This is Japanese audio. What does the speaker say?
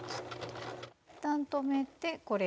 一旦止めてこれを。